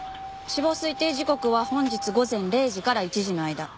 死亡推定時刻は本日午前０時から１時の間。